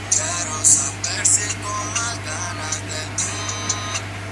El río Cuarto, en los años lluviosos, logra incorporarse al Tercero.